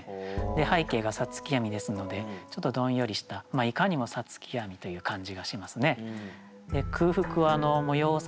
背景が五月闇ですのでちょっとどんよりしたいかにも五月闇という感じがしますね。